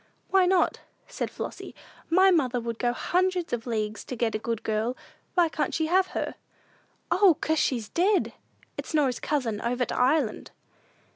"Why not?" said Flossy; "my mother would go hundreds of leagues to get a good girl. Why can't she have her?" "O, 'cause, she's dead! It's Norah's cousin over to Ireland."